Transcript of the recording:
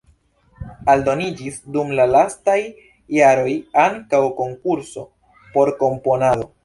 Aldoniĝis dum la lastaj jaroj ankaŭ konkurso por komponado.